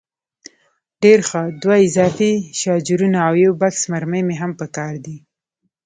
ډېر ښه، دوه اضافي شاجورونه او یو بکس مرمۍ مې هم په کار دي.